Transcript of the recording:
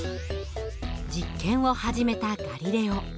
実験を始めたガリレオ。